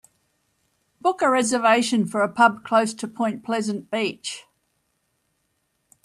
Book a reservation for a pub close to Point Pleasant Beach